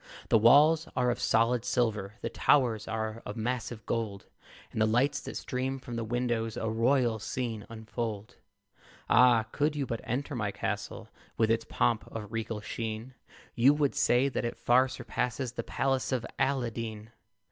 The walls are of solid silver; The towers are of massive gold; And the lights that stream from the windows A royal scene unfold. Ah! could you but enter my castle With its pomp of regal sheen, You would say that it far surpasses The palace of Aladeen.